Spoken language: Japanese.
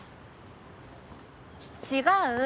違う。